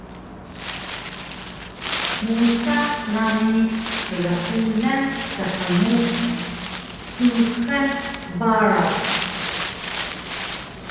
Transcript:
Musa nami prhulan thmuku Tuxan Baraw